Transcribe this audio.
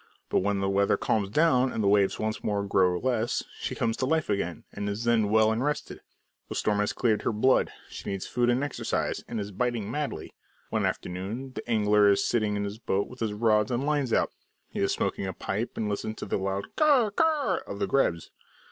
But when the weather calms down and the waves once more grow less, she comes to life again, and is then well and rested. The storm has cleared her blood; she needs food and exercise, and is biting madly. One afternoon the angler is sitting in his boat with all his rods and lines out; he is smoking a pipe and listening to the loud "karr karr" of the grebes.